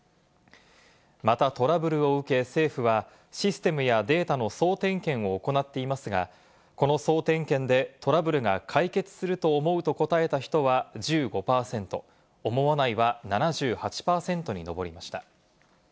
またトラブルを受け、政府はシステムやデータの総点検を行っていますが、この総点検でトラブルが解決すると思うと答えた人は１５％、思わないは７８％にのぼりました。